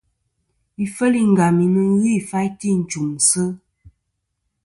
Ifel i Ngam nɨn ghɨ ifaytɨ i nchùmsɨ.